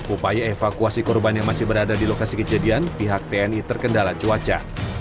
upaya evakuasi korban yang masih berada di lokasi kejadian pihak tni terkendala cuaca